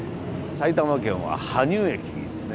埼玉県は羽生駅ですね